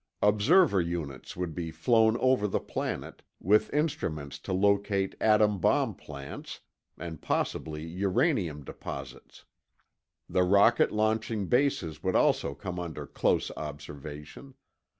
Observer units would be flown over the planet, with instruments to locate atom bomb plants and possibly uranium deposits. The rocket launching bases would also come under close observation.